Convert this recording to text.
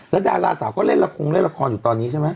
แล้วดาราสาวก็เล่นละครเล่นละครอยู่ตอนนี้ใช่ไหม